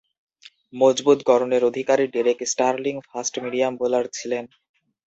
মজবুত গড়নের অধিকারী ডেরেক স্টার্লিং ফাস্ট-মিডিয়াম বোলার ছিলেন।